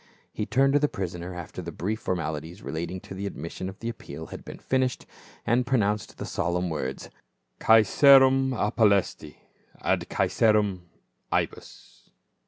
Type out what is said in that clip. He turned to the prisoner, after the brief formalities relating to the admission of the appeal had been fin ished, and pronounced the solemn words, " Caesarem appellasti, ad Caesarem ibis."